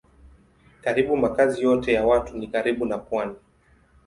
Karibu makazi yote ya watu ni karibu na pwani.